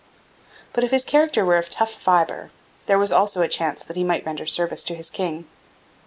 But if his character were of tough fibre, there was also a chance that he might render service to his king.